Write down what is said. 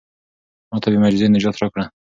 ما ته بې معجزې نجات راکړه.